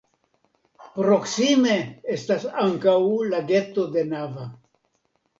Proksime estas ankaŭ lageto de Nava.